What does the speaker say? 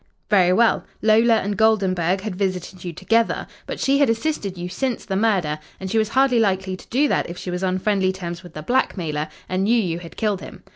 "Very well. Lola and Goldenburg had visited you together. But she had assisted you since the murder, and she was hardly likely to do that if she was on friendly terms with the blackmailer and knew you had killed him.